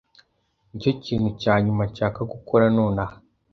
Nicyo kintu cyanyuma nshaka gukora nonaha.